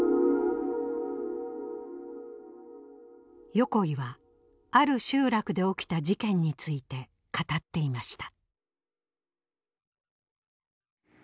横井はある集落で起きた事件について語っていました。